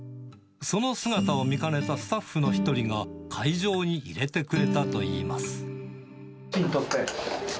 その姿を見かねたスタッフの一人が、会場に入れてくれたといいます。